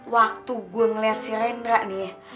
waktu gue ngeliat si rendra nih